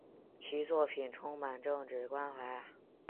其作品充满政治关怀。